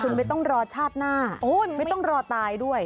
คุณไม่ต้องรอชาติหน้าไม่ต้องรอตายด้วย